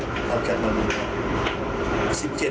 ๑๗นาฬิกาเขาขึ้นรถเอาจัดมาบอก